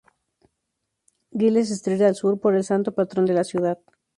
Giles Street al sur, por el santo patrón de la ciudad.